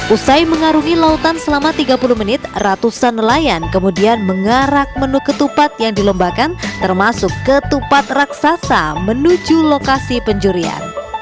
usai mengarungi lautan selama tiga puluh menit ratusan nelayan kemudian mengarak menu ketupat yang dilombakan termasuk ketupat raksasa menuju lokasi penjurian